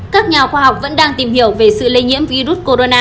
các nhà khoa học vẫn đang tìm hiểu về sự lây nhiễm virus corona